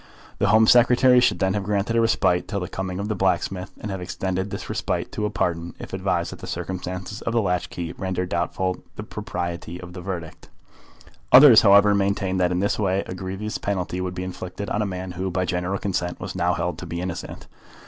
The Home Secretary should then have granted a respite till the coming of the blacksmith, and have extended this respite to a pardon, if advised that the circumstances of the latch key rendered doubtful the propriety of the verdict. Others, however, maintained that in this way a grievous penalty would be inflicted on a man who, by general consent, was now held to be innocent.